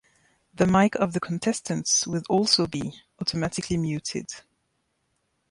The mic of the contestants will also be automatically muted.